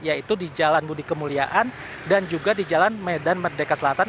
yaitu di jalan budi kemuliaan dan juga di jalan medan merdeka selatan